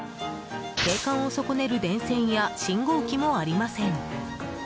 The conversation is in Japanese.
景観を損ねる電線や信号機もありません。